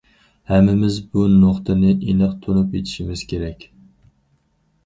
ھەممىمىز بۇ نۇقتىنى ئېنىق تونۇپ يېتىشىمىز كېرەك.